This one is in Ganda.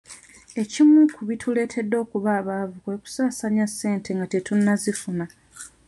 Ekimu ku bituleetedde okuba abaavu kwe kusaasanya ssente nga tetunnazifuna.